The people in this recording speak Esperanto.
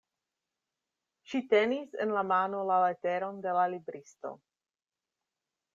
Ŝi tenis en la mano la leteron de la libristo.